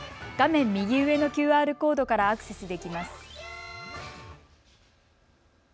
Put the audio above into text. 画面右上のＱＲコードからアクセスできます。